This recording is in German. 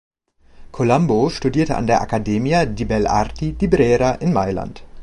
Colombo studierte an der Accademia di Belle Arti di Brera in Mailand.